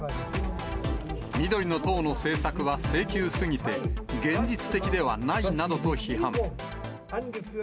緑の党の政策は性急すぎて、現実的ではないなどと批判。